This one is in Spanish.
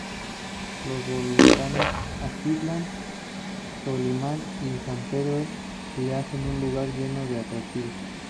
Los Volcanes Atitlán, Tolimán y San Pedro le hacen un lugar lleno de atractivos.